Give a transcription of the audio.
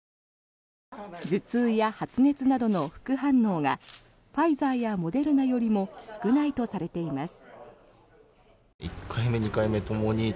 頭痛や発熱などの副反応がファイザーやモデルナよりも少ないとされています。